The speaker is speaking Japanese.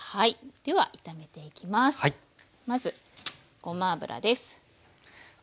まずごま油です。